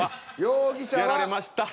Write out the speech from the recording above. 容疑者は。やられました。